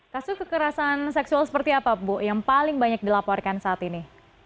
kasus kekerasan seksual seperti apa bu yang paling banyak dilaporkan saat ini